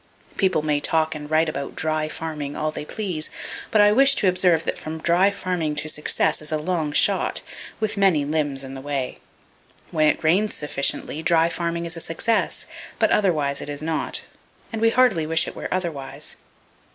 People may talk and write about "dry farming" all they please, but I wish to observe that from Dry Farming to Success is a long shot, with many limbs in the way. When it rains sufficiently, dry farming is a success; but otherwise it is not; and we heartily wish it were otherwise.